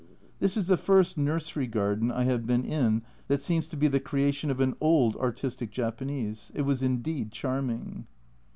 This is the first nursery garden I have been in that seems to be the creation of an old artistic Japanese, it was indeed charming.